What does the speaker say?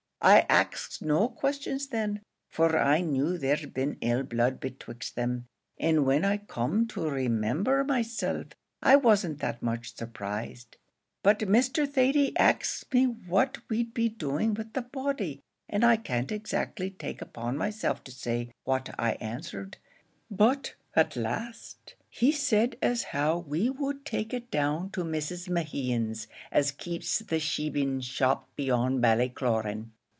I axed no questions thin, for I knew there'd been ill blood betwixt them, and when I comed to remember myself, I wasn't that much surprised. But Mr. Thady axed me what we'd be doing wid the body, and I can't exactly take upon myself to say what I answered; but, at last, he said as how we would take it down to Mrs. Mehan's as keeps the shebeen shop beyond Ballycloran.